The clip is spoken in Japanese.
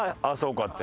「あそうか」